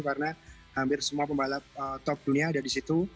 karena hampir semua pembalap top dunia ada disitu